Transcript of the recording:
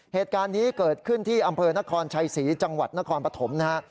เหตุการณ์นี้เกิดขึ้นที่อำเภอนครชัยศรีจังหวัดนครปฐมนะฮะ